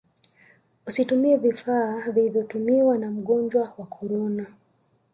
usitumie vifaa vilivyotumiwa na mgonjwa wa kotona